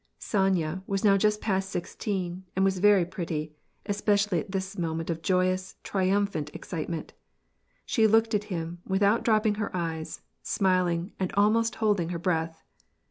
Sonya was now just past sixteen, and was very pretty, especially at this moment of joyous, triumphant ex citement. She looked at him, without dropping her eyes, smil ing, and almost holding her breath.